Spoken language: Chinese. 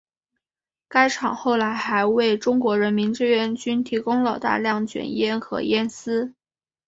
该厂后来还为中国人民志愿军提供了大量卷烟和烟丝。